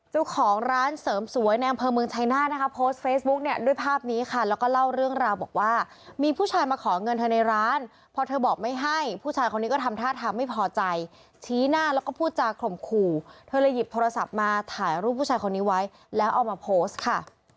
เจ้าของร้านเสริมสวยในอำเภอเมืองชัยหน้านะคะโพสต์เฟซบุ๊กเนี่ยด้วยภาพนี้ค่ะแล้วก็เล่าเรื่องราวบอกว่ามีผู้ชายมาขอเงินเธอในร้านพอเธอบอกไม่ให้ผู้ชายคนนี้ก็ทำท่าทางไม่พอใจชี้หน้าแล้วก็พูดจาข่มขู่เธอเลยหยิบโทรศัพท์มาถ่ายรูปผู้ชายคนนี้ไว้แล้วเอามาโพสต์ค่ะ